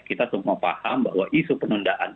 kita semua paham bahwa isu penundaan